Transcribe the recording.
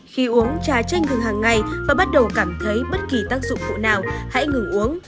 khi uống trà chanh gừng hàng ngày và bắt đầu cảm thấy bất kỳ tác dụng phụ nào hãy ngừng uống